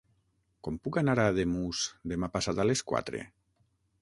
Com puc anar a Ademús demà passat a les quatre?